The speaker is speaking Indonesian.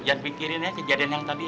jangan latihanin tuh